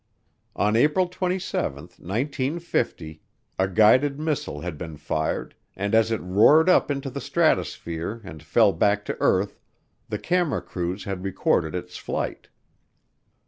On April 27, 1950, a guided missile had been fired, and as it roared up into the stratosphere and fell back to earth, the camera crews had recorded its flight.